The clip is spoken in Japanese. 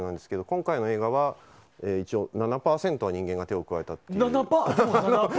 今回の映画は、一応７％は人間が手を加えたっていう。